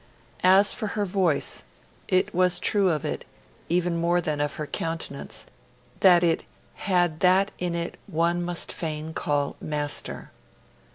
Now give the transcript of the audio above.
As for her voice, it was true of it, even more than of her countenance, that it 'had that in it one must fain call master'.